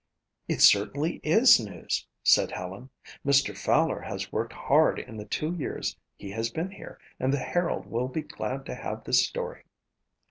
"It certainly is news," said Helen. "Mr. Fowler has worked hard in the two years he has been here and the Herald will be glad to have this story."